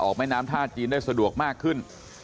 แม่น้ำท่าจีนได้สะดวกมากขึ้น